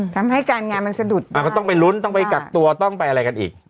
ทำให้การงานมันสะดุดอ่าก็ต้องไปลุ้นต้องไปกักตัวต้องไปอะไรกันอีก